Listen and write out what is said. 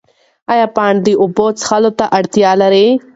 ایا پاڼه د اوبو څښلو ته اړتیا لري؟